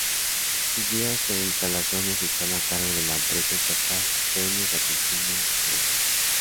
Sus vías e instalaciones están a cargo de la empresa estatal Trenes Argentinos Cargas.